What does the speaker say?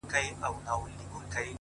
لاس يې د ټولو کايناتو آزاد، مړ دي سم،